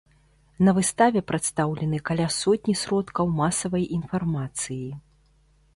На выставе прадстаўлены каля сотні сродкаў масавай інфармацыі.